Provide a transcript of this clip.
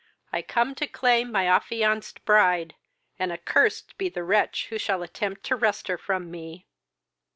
I come to claim my affianced bride, and accursed be the wretch who shall attempt to wrest her from me!"